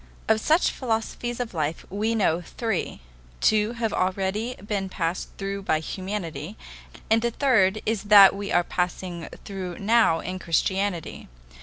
Of such philosophies of life we know three; two have already been passed through by humanity, and the third is that we are passing through now in Christianity.